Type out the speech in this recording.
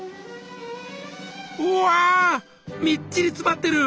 うわみっちり詰まってる！